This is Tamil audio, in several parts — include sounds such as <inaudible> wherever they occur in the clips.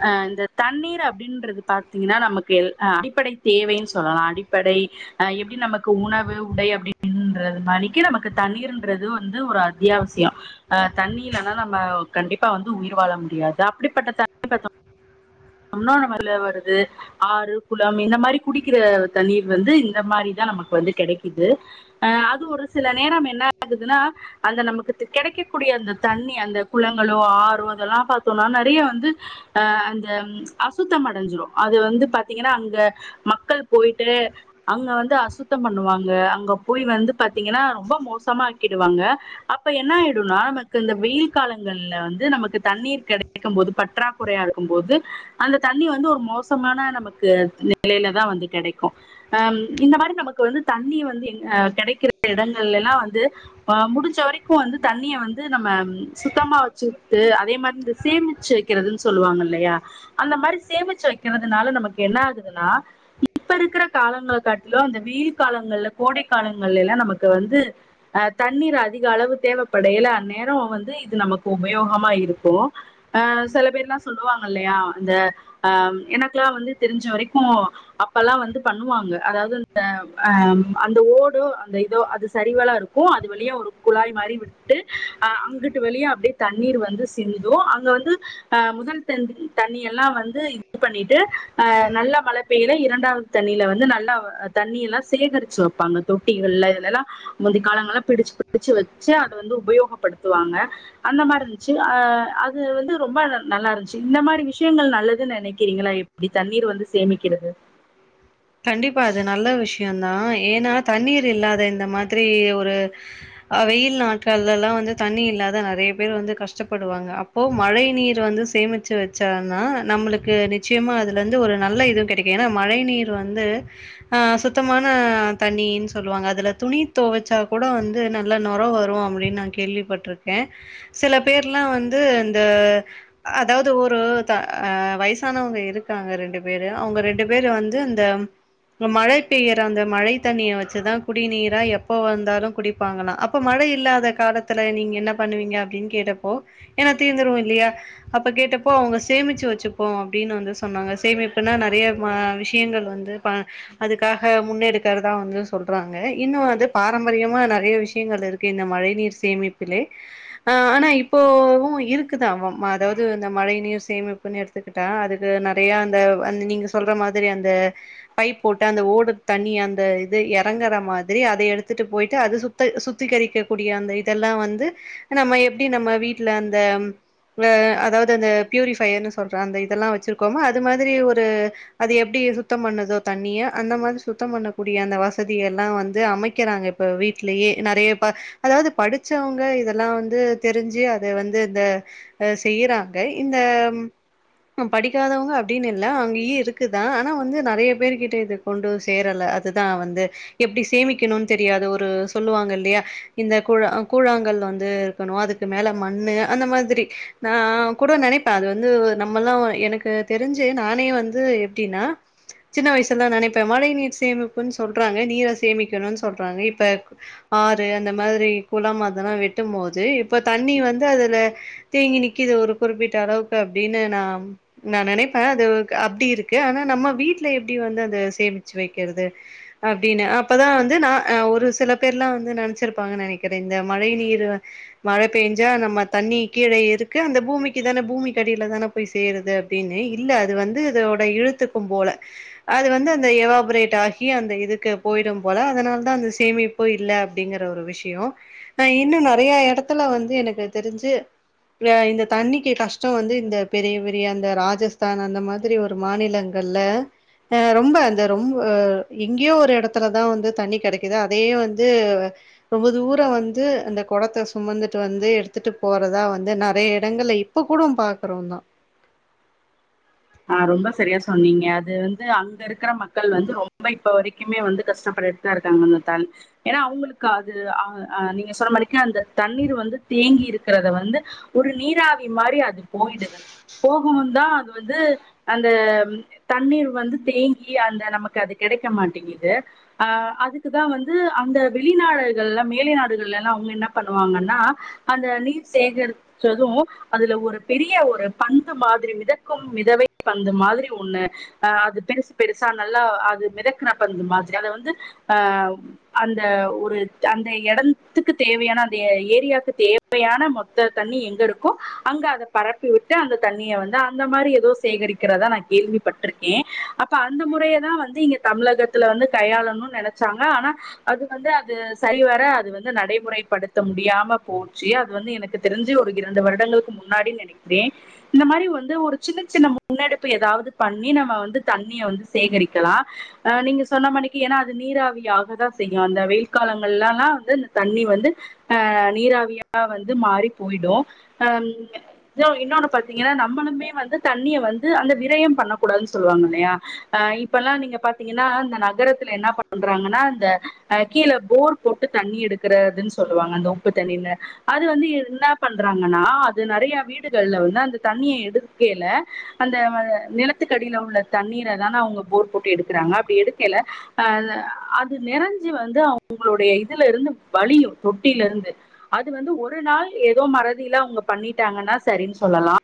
<inaudible> ஆ இந்த தண்ணீர் அப்படின்றது பாத்தீங்கன்னா நமக்கு அடிப்படை தேவைன்னு சொல்லலாம் அடிப்படை எப்படி நமக்கு உணவு உடை அப்படின் ன்ரதனலைக்கு நமக்கு தண்ணீர்ன்றது வந்து ஒரு அத்தியாவசியம் அ தண்ணீ இல்லனா நம்ம கண்டிப்பா வந்து உயிர் வாழ முடியாது அப்படிப்பட்ட த ன்ன நம்ம வருது ஆறு குளம் இந்த மாதிரி குடிக்கிற தண்ணீர் வந்து இந்த மாரி தான் நமக்கு வரு து கடைக்குது ஆ அது ஒரு சில நேரம் என்ன ஆகுதுன்னா அந்த நமக்கு கிடைக்கக்கூடிய அந்த தண்ணி அந்த குளங்களோ ஆறோ அதெல்லாம் ப சொன்னா நறைய வந்து அ அந்த அசுத்தம் அடைஞ்சிடும் அது வந்து பாத்தீங்கன்னா அங்க மக்கள் போயிட்டு அங்க வந்து அசுத்தம் பண்ணுவாங்க அங்க போய் வந்து பாத்தீங்கன்னா ரொம்ப மோசம் சமாக்கிடுவாங்க அப்ப என்ன ஆய்டும்னா நமக்கு இந்த வெயில் காலங்கள்ல வந்து நமக்கு தண்ணீர் கட டைக்கும்போது பற்றாக்குறையா இருக்கும்போது அந்த தண்ணி வந்து ஒரு மோசமான நமக்கு நிலைல தா வந்து கடைக்கும் இந்த மாரி நமக்கு வந்து தண்ணி வந்து கிடைக்கிற இடங்கள்லல்லாம் வந்து முடிஞ்ச வரைக்கும் வந்து தண்ணிய வந்து நம்ம சுத்தமா வச்சுட்டு அதே மாரி சேமிச்சு வைக்கிறதுன்னு சொல்லுவாங்க இல்லையா அந்த மாரி சேமிச்சு வைக்கிறதுனால நமக்கு என்ன ஆகுதுன்னா இப்ப இருக்கிற காலங்கள காட்டிலும் அந்த வெயில் காலங்கள்ல கோடை காலங்கள்ல எல்லாம் நமக்கு வந்து அ தண்ணீர் அதிக அளவு தேவைப்படையல அந்நேரம் வந்து இது நமக்கு உபயோகமா இருக்கூ அ சில பேர்லாம் சொல்லுவாங்க இல்லையா அந்த ஆ எனக்கெல்லாம் வந்து தெரிஞ்ச வரைக்கூ அப்பல்லாம் வந்து பண்ணுவாங்க அதாவது அ அந்த ஓடு அந்த இதோ அது சரிவழ இருக்கும் அது வழிய ஒரு குழாய் மாரி விட்டு அங்கட்டு வழியே அப்படியே தண்ணீர் வந்து சி் ந்து அங்க வந்து முதல் தண்டு தண்ணி எல்லாம் வந்து இது பண்ணிட்டு அஹ நல்லா மழை ப்பையில இரண்டாவது தண்ணியில வந்து நல்லா தண்ணி எல்லாம் சேகரிச்சு வைப்பாங்க தொட்டிகள்ல இதுலெல்லாம் முந்தி காலங்கள பிடிச்ச பிடிச்ச வச்சு அத வந்து உபயோகப்படுத்துவாங்க அந்த மாரி இருந்துச்சு ஆ அது வந்து ரொம்ப நல்லா இருந்துச்சு இந்த மாரி விஷயங்கள் நல்லது நனைக்கிறீங்களா எப்படி தண்ணீர் வந்து சேமிக்கிறது து கண்டிப்பா அது நல்ல விஷ யதான் ஏன்னா தண்ணீர் இல்லாத இந்த மாதிரி ஒரு வெயில் நாட்கள்லல்லா வந்து தண்ணி இல்லாத நெறைய பேர் வந்து கஷ்டப்படுவாங்க அப்போ மழை நீர் வந்து சேமிச்சு வச்சானா நம்மளுக்கு நிச்சயமா அதுலந்து ஒரு நல்ல இதுவு கிடைக்கும் ஏனா மழை நீர் வந்து அ சுத்தமான தண்ணினு சொல்லுவாங்க அதுல துணி துவச்சா கூட வந்து நல்லா நொற வரும் அப்டின்னு நான் கேள்விப்பட்டிருக்க சில பேர்லாம் வந்து அந்த அதாவது ஒரு த அ வயசானவங்க இருக்காங்க ரெண்டு பேரு அவுங்க ரெண்டு பேரு வந்து தாம் மழை பெய்யற அந்த மழை தண்ணிய வச்சுதான் குடிநீரா எப்ப வந்தாலும் குடிப்பாங்காளா அப்ப மழை இல்லாத காலத்துல நீங்க என்ன பண்ணுவீங்க அப்டின்னு கேட்டப்போ என தீர்ந்துரும் இல்லையா அப்ப கேட்டப் போ அவுங்க சேமிச்சு வச்சுப்போம் அப்டின்னு வந்து சொன்னாங்க சேமிப்புன்னா நெறைய ம விஷ யங்கள் வந்து ப அதுக்காக முன்னெடுக்கிறதா வந்து சொல்றாங்க இன்னும் அது பாரம்பரியமா நெறைய விஷயங்கள் இருக்கு இந்த மழை நீர் சேமிப்பிலே ஆ ஆனா இப்போவும் இருக்குதா ம அதாவது இந்த மழைநீர் சேமிப்புன்னு எடுத்துக்கிட்டா அதுக்கு நெறைய அந்த அந் நீங்க சொல்ற மாத் திரி அந்த பைப் போட்டு அந்த ஓடு அந்த இது எறங்கற மாதிரி அத எடுத்துட்டு போயிட்டு அது சுத்த சுத்திகரிக்கக்கூடிய அந்த இதெல்லாம் வந்து நம்ம எப்டி நம்ம வீட்ல அந்த அ அதாவது அந்த பியயூரிஃபயர்ன்னனு சொல்ற அந்த இதெல்லாம் வச்சிருக்கோம அது மாதிரி ஒரு அது எப்டி சுத்தம் பண்ணதோ தண்ணிய அந்த மாதிரி சுத்தம் பண்ணக்கூடிய அந்த வசதியெல்லா வந்து அமைக்கிறாங்க இப் ப வீட்லயே நெறைய ப அதாவது படிச்சவங்க இதெல்லா வந்து தெரிஞ்சு அத வந்து இந்த செய்யறாங்க இந்த படிக்காதவங்க அப்டின்னு இல்ல அங்கயு இருக் க்குதா ஆனா வந்து நெறைய பேர் கிட்ட இது கொண்டு சேரல அதுதா வந்து எப்டி சேமிக்கணுன்னு தெரியா அத ஒரு சொல்லுவாங்க இல்லையா இந்த கூழா கூழாங்கள்ளு வந்து இருக்கணு அதுக்கு மேல மண்ணு அந்த மா திரி நா கூட நினைப்ப அது வந்து நம்மல்லா எனக்கு தெரிஞ்சு நானே வந்து டினா சின்ன வயசுலெல்லா நினைப்பே மழை நீர் சேமிப்புன்னு சொல்றாங்க நீர சேமிக்கணுன்னு சொல்றாங்க இப்ப ஆறு அந்த மாதிரி குளம் அதெல்லா வெட்டும் போது இப்ப தண்ணி வந்து அதுல தேங்கி நிக்கிது ஒரு குறிப்பிட்ட அளவுக்கு அப்டின்னு நான் நா நெனைப்பே அது அப்டி இருக் க்கு ஆனா நம்ம வீட்டுல எப்டி வந்து அத் சேமிச்சு வெக்கறது அப்டின்னு அப்பதா வந்து நா ஒரு சில பேர்லா வந்து நெனைச்சிருப்பாங்க நெனைக்கிறே இந்த மழை நீரு மழை பெஞ்சா நம்ம தண்ணி கீழே இருக்கு அந்த பூமிக்கு தான பூமி கடியில தானே போய் சேருது அப்டின்னு இல்ல அது வந்து இதோ இழுத்துக்கும் போல அது வந்து அந்த எவாஃப்ரேட் ஆகி அந்த இதுக்கு போயிடும் போல அதனால தான் சேமிப்போ இல்ல அப்டிங்கற ஒரு விஷயம் ஆஹ் இன்னும் நெறையா எடத்துல வந்து எனக்கு தெரிஞ்சு வே இந்த தண்ணிக்கு கஷ்டம் வந்து இந்த பெரிய பெரிய அந்த ராஜஸ்தான் அந்த மாதிரி ஒரு மாநிலங்கள்ல அஹ் ரொம்ப அந்த ரொம்ப எங்கேயோ ஒரு இடத்துலதா வந்து தண்ணி கிடைக்குது அதையே வந்து ரொம்ப தூரம் வந்து அந்த குடத்தை சுமந்துட்டு வந்து எடுத்துட்டு போறதா வந்து நெறைய இடங்கள்ல இப்போ கூடோம் பாக்குறோந்தா ஆஹ் ரொம்ப சரியா சொன்னீங்க அது வந்து அங்க இருக்கிற மக்கள் வந்து ரொம்ப இப்ப வரைக்குமே வந்து கஷ்டப்பட் ரெஸ்ட்டாருக்காங்கன்னு தள் ஏன்னா அவங்களுக்கு அது ஆஹ் ஆஹ் நீங்க சொன்ன மாரிக்கு அந்த தண்ணீர் வந்து தீ தேங்கி இருக்கிறத வந்து ஒரு நீராவி மாரி அது போயிடுது போகுனுன்னு நா அது வந்து அந்த தண்ணீர் வந்து தேங்கி அந்த நமக்கு அது கிடைக்க மாட்டேங்குது ஆஹ் ஆ அதுக்குதா வந்து அந்த வெளிநாடுகள்ல மேலை நாடுகள்லல்லா அவுங்க என்ன பண்ணுவாங்கன்னா அடு ந்த நீர் சேகரிச்சது அதுல ஒரு பெரிய ஒரு பந்து மாதிரி மிதக்கும் மிதவை பந்து மாதிரி ஒண்ணு அஹ் அது பெருசு பெருசா நல்லா அது மிதக்குற பந்த மாதிரி அத வந்து அஹ் அந்த ஒரு அந்த இடத்துக்கு தேவையான அந்த ஏரியாக்கு தே தேவையான மொத்த தண்ணி எங்க இருக்கோ அங்க அத பரப்பி உட்டு அந்த தண்ணிய வந்து அந்த மாரி ஏதோ சேகரிக்கிறதா நான் கேள்விப்பட்டிருக்கே அப்ப அந்த முறைய தான் வந்து இங்க தமிழகத்தில வந்து கையாளணு னு நெனைச்சாங்க ஆனா அது வந்து அது சரிவர அது வந்து நடைமுறைப்படுத்த முடியாம போச்சு யா வந்து எனக்கு தெரிஞ்சு ஒரு இரண்டு வருடங்களுக்கு முன்னாடி நெனைக்கிறே இந்த மாரி வந்து ஒரு சின்ன சின்ன மு முன்னெடுப்பு ஏதாவது பண்ணி நம்ம வந்து தண்ணிய வந்து சேகரிக்கலா ஹ நீங்க சொன்ன மாரிக்கு ஏன்னா அது நீராவியாக தான் செய்யும் அந்த வெயில் காலங்கள்லல்லாம் வந்து இந்த தண்ணி வந்து அஹ் நீராவியா க வந்து மாறி போயிடும் ஆமா இன்னொன்னு பாத்தீங்கன்னா நம்மளுமே வந்து தண்ணிய வந் து அந்த விரயம் பண்ணக்கூடாதுன்னு சொல்லுவாங்க இல்லையா ஆஹ் இப்பல்லா நீங்க பாத்தீங்கன்னா அ நகரத்தில என்னா பண் ண்றாகன இந்த கீழ போர் போட்டு தண்ணி எடுக்கிறதுன்னு சொல்லுவாங்க அந்த உப்பு தண்ணில அ து வந்து என்ன பண்றாங்கன்னா அது நெறைய வீடுகள்ல வந்து அந்த தண்ணிய எடுக்கேயில அந்த நிலத்துக்கடியில உள்ள தண்ணீர தானே அவங்க போர் போட்டு எடுக்கிறாங்க அப்டி எடுக்கேல அது நெறச்சு வந்து அவங்களுடைய இதுல இருந்து வலியும் தொட்டில இருந்து அது வந்து ஒரு நாள் ஏதோ மறதில அவங்க பண்ணிட்டாங்கன்னா சரினு சொல்லலா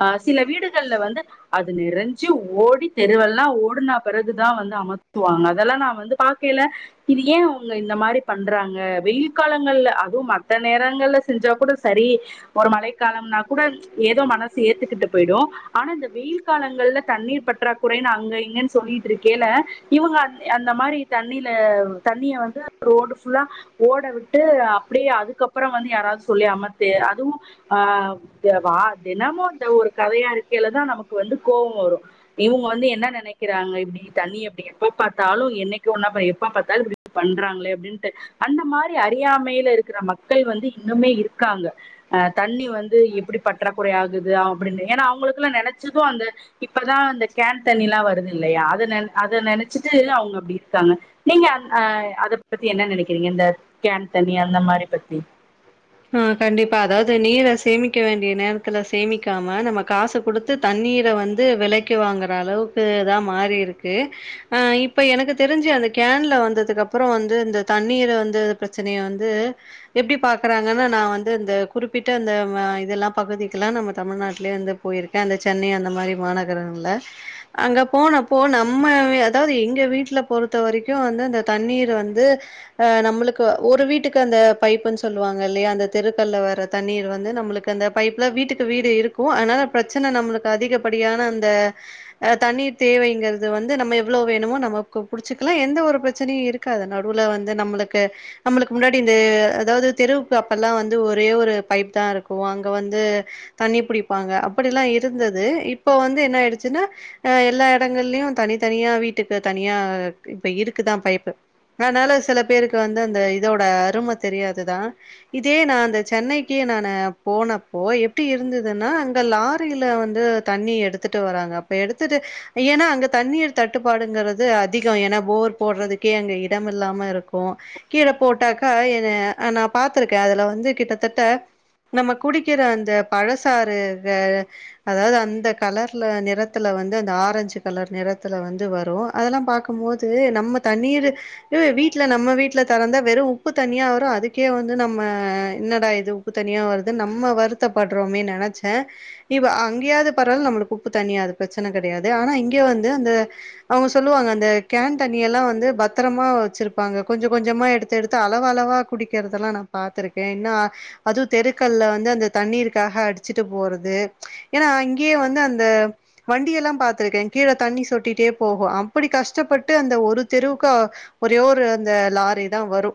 ஹ சில வீடுகள்ல வந்து அது நெறஞ்சு ஓடி தெருவெல்லா ஓடின பிறகுதா வந்து அமத்துவாங்க அதெல்லா நா வந்து பாக்கையில இது ஏன் அவங்க இந்த மாரி பண்றாங்க வெயில் காலங்கள்ல அதுவும் மத்த நேரங்கள்ல செஞ்சா கூட சரி ஒரு மழைக்காலம்னா கூட ஏதோ மனசு ஏத்துக்கிட்டு போயிடும் ஆனா இந்த வெயில் காலங்கள்ல தண்ணீர் பற்றாக்குறைன்னு அங்க இங்கன்னு சொல்லிட்டு இருக்கேல்ல இவங்க அந்த மாரி தண்ணில தண்ணிய வந்து ரோடு புல்லா ஓட விட்டு அப்டியே அதுக்கப்புற வந்து யாரது சொல்லி அமத்தி அதுவு ஹ வா தினமும் இந்த ஒரு கதையா இருக்கேல தான் நமக்கு வந்து கோவ வரும் இவங்க வந்து என்ன நெனைக்கிறாங்க இப்டி தண்ணிய எப்டி எப்ப பார்த்தாலும் என்னைக்கு ஒன்னா எப்ப பார்த்தாலும் இப்டி பண்றாங்களே அப்டின்னுட்டு அந்த மாதிரி அறியாமையில இருக்கிற மக்கள் வந்து இன்னுமே இருக்காங்க தண்ணி வந்து எப்டி பற்றாக்குறை ஆகுது அப்டின்னு ஏன்னா அவுங்களுக்குல்லா நெனச் சது அந்த இப்பதா அந்த கேன் தண்ணில்லா வருது இல்லையா அத நெ அத நெனச்சுட்டு அவுங்க அப்டி இருக்கா ங்க நீங்க அ அத பத்தி என்ன நெனக்கிறீங்க இந்த கேன் தண்ணி அந்த மாரி பத்தி ஆ கண்டிப்பா அதாவது நீர சேமிக்க வேண்டிய நேரத்துல சேமிக்காம நம்ம காசு குடுத்து தண்ணி நீர வந்து விலைக்கு வாங்குற அளவுக்கு தா மாறி இருக்கு ஆ இப்ப எனக்கு தெருஞ்சு அந் த கேன்ல வந்ததுக்கு அப்பறோ வந்து இந்த தண்ணீர வந்து ப்ரச்சனைய வந்து எப்டி பாக் பாக்குறாங்கன்னா நா வந்து இந்த குறிப்பிட்ட அந்த இதல்லா பகுதிக்கெல்லா நம்ம தமிழ்நாட்லயேந்து போயிருக்கே அந்த சென்னை அந்த மாரி மாநகரங்கள்ல அங்க போனப்போ நம்ம வெ அதாவது எங்க வீட்ல போற பொருத்த வரைக்கு வந்து அந்த தண்ணீர் வந்து அ நம்மளுக்கு ஒரு வீட்டுக்கு அந்த பைப்புன் சொ சொல்லுவாங்க இல்லயா அந்த தெருக்கல்ல வர தண்ணீர் வந்து நம்மளுக்கு அந்த பைப்ல வீட்டுக்கு வீடு இருக்கு ஆனா ப்ரச்சன ன நம்மளுக்கு அதிகப்படியான அந்த தண்ணீர் தேவைங்கிறது வந்து நம்ம எவ்ளோ வேணுமோ நம்மக்கு புடிச்சுக்கலா எந்த ஒரு ப்ரச்சனையு இருக்காது நடுவுல வந்து நம்மளுக்கு நம்மளுக்கு முன்னாடி இந்த அதாவது தெருவுக்கு அப்பல்லா வந்து ஒரே ஒரு பைப் தா இருக்கு அங்க வந்து தண்ணி புடிப்பாங்க அப்படில்லா இருந்தது இப்போ வந்து என்ன ஆயிடுச்சுன்னா அ எல்லா எடங்கள்லயு தனித்தனியா வீட்டுக்கு தனியா க்கு இப்ப இருக்குதா பைப்பு அதனால சில பேருக்கு வந்து அந்த இதோட அருமை தெரியாதுதா இதே நா அந்த சென்னைக்கே நானு போனப்போ எப்டி இருந்துதுன்னா அங்க லாரில வந்து தண்ணி எடுத்துட்டு வராங்க அப்ப எடுத்துட்டு ஏன்னா அங்க தண்ணீர் தட்டுப்பாடுங்குறது அதிகோ ஏன்னா போர் போட்றதுக்கே அங்க இடமில்லாம இருக்கு கீழ போட்டாக்கா என் ஆனாப் பாத்துருக்கே அதுல வந்து கிட்டத்தட்ட நம்ம குடிக்கிற அந்த பழசாறு த அதாவது அந்த கலர்ல நிறத்துல வந்து அந்த ஆரஞ்சு கலர் நிறத்துல வந்து வரு அதல்லா பாக்கும்போது நம்ம தண்ணீரு வீட்ல நம்ம வீட்ல தெறந்தா வெரு உப்பு தனியா வரு அதுக் க்கே வந்து நம்ம என்னடா இது உப்பு தண்ணியா வருது நம்ம வருத்தப்பட்றோமே நெனச்சே இவ அங்கேயாது பரவல நம்மளுக்கு உப்பு தண்ணியா அது ப்ரச்சன கெடையாது ஆனா இங்க வந்து அந்த அவுங்க சொல்லுவாங்க அந்த கேன் தண்ணியெல்லா வந்து பத்ரமா வச்சுருப்பாங்க கொஞ்ச கொஞ்சமா எடுத்து எடுத்து அளவு அளவா குடிக்கிறதெல்லா நா பாத்துருக்கே என்னா அதுவு தெருக்கல்ல வந்து அந்த தண்ணீருக்காக அடிச்சுட்டு போறது றது ஏன்னா அங்கேயு வந்து அந்த வண்டி எல்லா பாத்துருக்கே கீழ தண்ணி சொட்டிட்டே போகு அம் அப்டி கஷ்டப்பட்டு அந்த ஒரு தெருவுக்கா ஒரே ஒரு அந்த லாரி தா வரு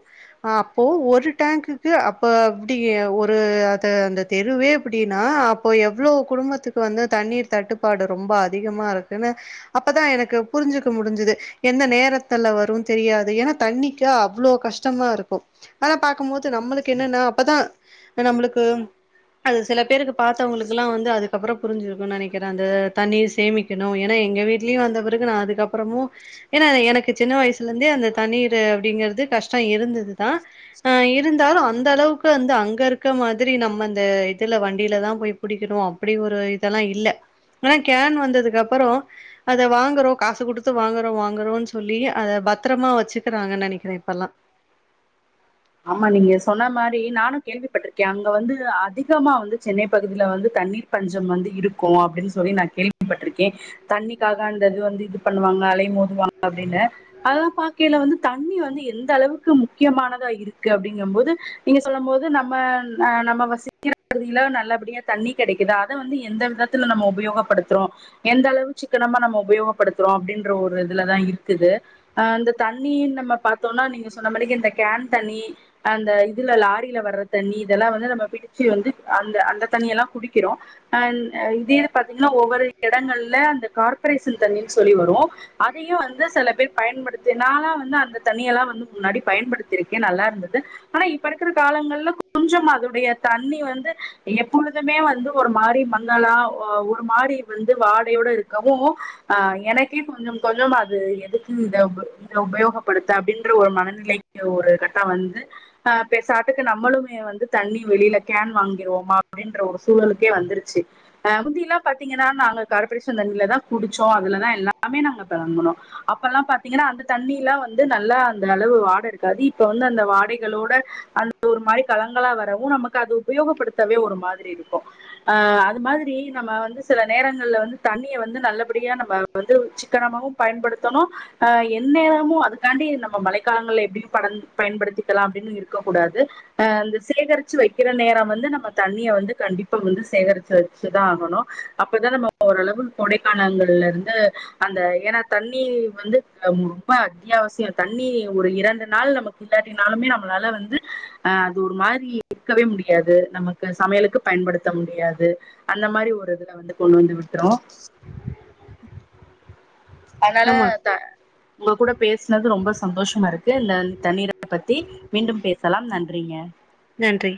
ஆ இப்போ ஒரு டேங்க்குக்கு அப்ப அப்டி ஒரு அத அந்த தெருவே அப்டின்னா அப்ப எவ்ளோ குடும்பத்துக்கு வந்து தண்ணீர் தட்டுப்பாடு ரொம்ப அதிகமா இருக்குன்னு அப்பதா எனக்கு புரிஞ்சு க்க முடிஞ்சுது எந்த நேரத்துல வரு தெரியாது ஏன்னா தண்ணிக்கு அவ்ளோ கஷ்டமா இருக்கு ஆனா பாக்கும்போது நம்மளுக்கு என்னன்னா அப்பதா நம்மளுக்கு அது சில பேருக்கு பாத்தவுங்களுக்குல்லா வந்து அதுக்கப்பறோ புரிஞ்சுருக்குன்னு நெனக்கிறே அந்த தண்ணீர் சேமிக்கணு ஏன்னா எங்க வீட்லயு வந்த பிறகு நா அதுக்கப்பறமு ஏன்னா எனக்கு சின்ன வயசுலந்தே அந்த தண்ணீரு அப்டிங்கிறது கஷ்டோ இருந்தது தா ஆ இருந்தாலு அந்த அளவுக்கு வந்து அங்க இருக்க மாதிரி நம்ம இந்த இதுல வண்டில தா போய் புடிக்கணு அப்டி ஒரு இதெல்லா இல்ல ஆனா கேன் வந்ததுக்கு அப்பறோ அத வாங்குறோ காசு குடுத்து வாங்குறோ வாங்குறோன் சொல்லி அத பத்தரமா வச்சுக்குறாங்கன் நெனைக்கிறே இப்பல்லா ஆமா நீங்க சொன்ன மாரி நானு கேள்விப்பட்ருக்கே அங்க வந்து அதிகமா வந்து சென்னை பகுதில வந்து தண்ணீர் பஞ்சம் வந்து இருக்கு அப்டினா சொல்லி நா கேள்விப்பட்ருக்கே தண்ணிக்காக அந்த இது வந்து இது பண்ணுவாங்க ங்க அலை மோதுவாங்க அப்டின்னு அதலா பாக்கைல வந்து தண்ணி வந்து எந்த அளவுக்கு முக்கியமானதா இருக் க்கு அப்டிங்கம்போது நீங்க சொல்லம்போது நம்ம ஆ நம்ம வசிக்கிற ‌பகுதில நல்லபடியா தண்ணி கெடைக் க்கிதா அத வந்து எந்த விதத்துல நம்ம உபயோகப்படுத்துறோ எந்த அளவு சிக்கனமா நம்ம உபயோகப்படுத்துறோ அப்டின்ற ஒரு இதுல தா இருக்குது ஆ இந்த தண்ணி நம்ம பாத்தோனா நீங்க சொன்ன மாரிக்கு இந்த கேன் தண்ணி அந்த இதுல லாரில வர்ற தண்ணி இதெல்லா வந்து நம்ம பிடிச்சு வந்து அந்த அந்த தண்ணியெலா குடிக்கிறோ அன் ஆ இதையே பாத்தீங்கன்னா ஒவ்வொரு எடங்கள்ல அந்த கார்ப்ரேஷன் தண்ணீனு சொல்லி வரு ரு அதையு வந்து செல பேர் பயன்படுத்தி நாலா வந்து அந்த தண்ணியெல்லா வந்து முன்னாடி பயன்படுத் த்துருக்கே நல்லா இருந்தது ஆனா இப்ப இருக்குற காலங்கள்ல கொஞ்சமா அதனுடைய தண்ணி வந்து எப்பொழு துமே வந்து ஒரு மாரி மங்களா ஒரு மாரி வந்து வாடையோட இருக்கவு எனக்கே கொஞ்ச கொஞ்ச அது எதுக்கு இத இத உபயோகப்படுத்த அப்டின்ற ஒரு மனநிலை ஒரு கட்டோ வந்து அ பெசாட்டுக்கு நம்மளுமே வந்து தண்ணி வெளில கேன் வாங்கிருவோமா அப்டின்ற ஒரு சூழலுக்கே வந்துருச்சு அ முந்திலா பாத்தீங்கன்னா நாங்க கார்ப்ரேஷன் தண்ணில தா குடிச்சோ அதுலதா எல்லாமே நாங்க பிளான் பண்ணுவோ அப்பெல்லா பாத்தீங்கன்னா அந்த தண்ணீலா வந்து நல்லா அந்த அளவு வாட இருக் க்காது இப்ப வந்து அந்த வாடைகளோட அந்த ஒரு மாரி களங்களா வரவு நமக்கு அது உபயோகப்படுத்தவே ஒரு மா மாதிரி இருக்கு ஆ அது மாதிரி நம்ம வந்து சில நேரங்கள்ல வந்து தண்ணிய வந்து நல்லபடியா நம்ம வந்து சிக்கனமாவு பயன்படுத்தணு அ எந்நேரமு அதுக்காண்டி நம்ம மழைக்காலங்கள்ல எப்டி பட‌ பயன்படுத்திக்கலா அப்டின்னு இருக்கக்கூடாது அ இந்த சேகரிச்ச வைக்கிற நேரம் வந்து நம்ம தண்ணிய வந்து கண்டிப்பா வந்து சேகரிச்சு வச்சுதா ஆகணு அப்பதா நம்ம ஓரளவு கோடைக்காலங்கள்ல இருந்து அந்த ஏன்னா தண்ணி வந்து ரொம்ப அத்யாவசியோ தண்ணி ஒரு இரண்டு நாள் நமக்கு இல்லாட்டினாலுமே நம்மளால வந்து அ அது ஒரு மாரி இருக்கவே முடியாது நமக்கு சாப் சமையலுக்கு பயன்படுத்த முடியாது அந்த மாரி ஒரு இதுல வந்து கொண்டு வந்து விட்ரூ அதனால ஆமா த உங்க கூட பேசுனது ரொம்ப சந்தோஷமா இருக்கு இந்த தண்ணீர பத்தி மீண்டும் பேசலா நன்றிங்க நன்றி